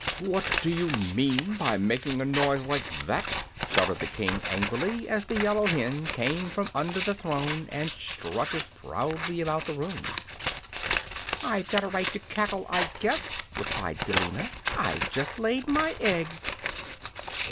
"What do you mean by making a noise like that?" shouted the King, angrily, as the yellow hen came from under the throne and strutted proudly about the room. "I've got a right to cackle, I guess," replied Billina. "I've just laid my egg."